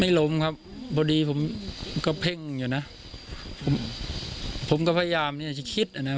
ล้มครับพอดีผมก็เพ่งอยู่นะผมผมก็พยายามเนี่ยจะคิดอ่ะนะ